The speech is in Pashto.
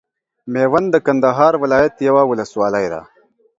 ميوند د کندهار ولايت یوه ولسوالۍ ده.